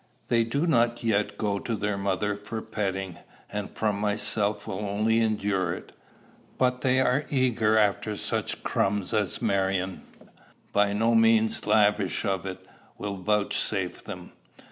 They do not yet go to their mother for petting, and from myself will only endure it; but they are eager after such crumbs as Marion, by no means lavish of it, will vouchsafe them.